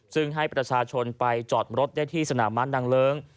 ซึ่งให้ประชาชนไปจอดรถได้ที่สนามม้านางเลิ้ง